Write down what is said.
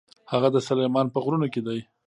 هغه د سلیمان په غرونو کې ده.